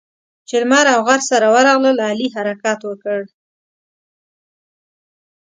چې لمر او غر سره ورغلل؛ علي حرکت وکړ.